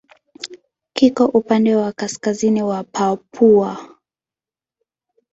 Kiko upande wa kaskazini wa Papua.